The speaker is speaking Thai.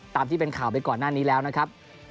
ตามที่เป็นข่าวไปก่อนหน้านี้แล้วนะครับ